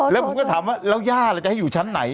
แล้วผมก็ถามว่าแล้วย่าเราจะให้อยู่ชั้นไหน